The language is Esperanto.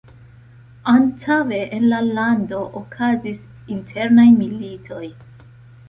Antaŭe en la lando okazis internaj militoj.